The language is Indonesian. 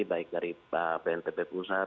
baik dari bnpb pusat